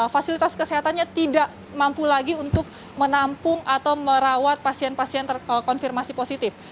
fasilitas kesehatannya tidak mampu lagi untuk menampung atau merawat pasien pasien terkonfirmasi positif